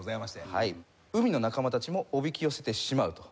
海の仲間たちもおびき寄せてしまうと。